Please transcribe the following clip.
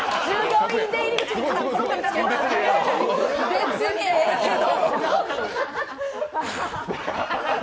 別にええけど。